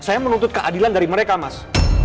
saya menuntut keadilan dari mereka mas